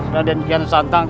raden kian santang